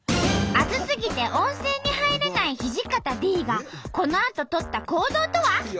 熱すぎて温泉に入れない土方Ｄがこのあと取った行動とは？